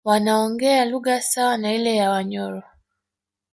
Wanaongea lugha sawa na ile ya Wanyoro